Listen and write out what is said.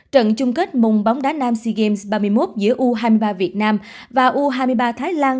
trận chung kết mùng bóng đá nam sea games ba mươi một giữa u hai mươi ba việt nam và u hai mươi ba thái lan